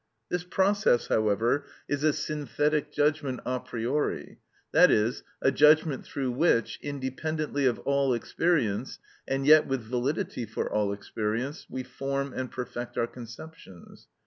This process, however, is a synthetic judgment a priori, that is, a judgment through which, independently of all experience, and yet with validity for all experience, we form and perfect our conceptions.